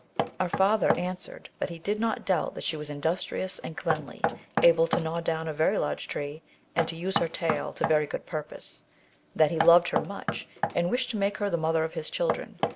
* Our father answered that he did not doubt that she was industrious and cleanly, able to gnaw down a very large tree, and to use her tail to very good purpose; that he loved her much, and vnshed to make her the mother of his children.